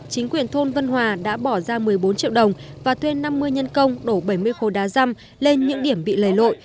chính quyền thôn vân hòa đã bỏ ra một mươi bốn triệu đồng và thuê năm mươi nhân công đổ bảy mươi khối đá răm lên những điểm bị lầy lội